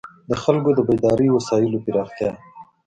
د خلکو د بېدارۍ وسایلو پراختیا.